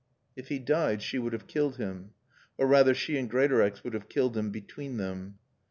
If he died she would have killed him. Or, rather, she and Greatorex would have killed him between them.